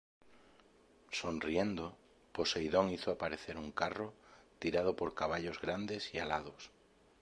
Sonriendo, Poseidón hizo aparecer un carro tirado por caballos grandes y alados.